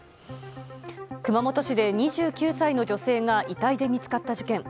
熊本市で２９歳の女性が遺体で見つかった事件。